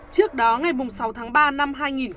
trước đó ngày sáu tháng ba năm hai nghìn hai mươi